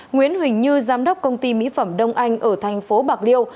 nguyễn huỳnh như giám đốc công ty mỹ phẩm đông anh ở thành phố bạc liêu